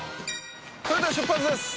それでは出発です！